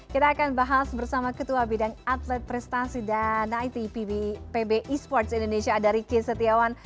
kita akan bahas bersama ketua bidang atlet prestasi dan it pb esports indonesia ada riki setiawan